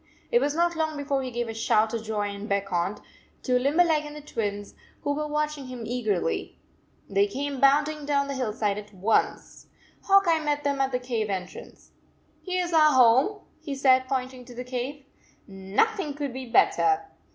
It was not long before he gave a shout of joy and beckoned to Limberleg and the Twins, who were watching him eagerly. They came bounding down the hillside at once. Hawk Eye met them at the cave entrance. Here s our home, he said, point ing to the cave. " Nothing could be better.